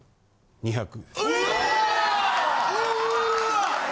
・２００！？